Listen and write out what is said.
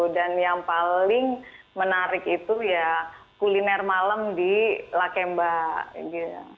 dan yang paling menarik itu ya kuliner malam di lakemba gitu ya